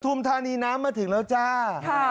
ธานีน้ำมาถึงแล้วจ้า